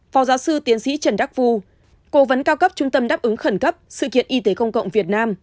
phó giáo sư tiến sĩ trần đắc phu cố vấn cao cấp trung tâm đáp ứng khẩn cấp sự kiện y tế công cộng việt nam